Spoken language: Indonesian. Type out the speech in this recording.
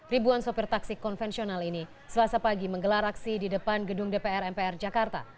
ribuan sopir taksi konvensional ini selasa pagi menggelar aksi di depan gedung dpr mpr jakarta